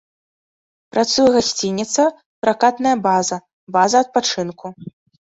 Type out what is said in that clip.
Працуе гасцініца, пракатная база, база адпачынку.